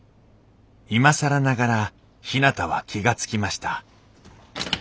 今更ながらひなたは気が付きました。